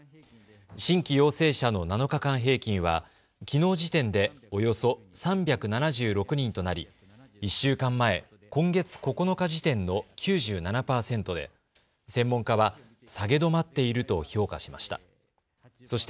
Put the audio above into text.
新規陽性者の７日間平均はきのう時点でおよそ３７６人となり１週間前、今月９日時点の９７％で専門家は下げ止まっていると評価しました。